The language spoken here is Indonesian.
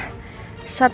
aku akan mencari kebenaran